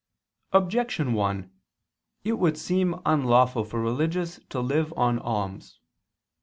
Objection 1: It would seem unlawful for religious to live on alms.